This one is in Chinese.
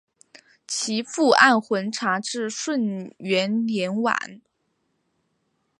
其父按浑察至顺元年薨。